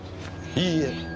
いいえ。